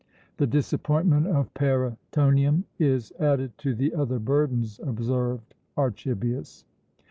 "The disappointment of Parætonium is added to the other burdens," observed Archibius.